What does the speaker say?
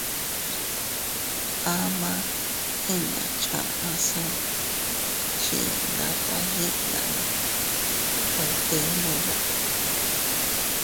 Ama inña chaʼa see chii ndatta yiʼiyane nwe ytennoya.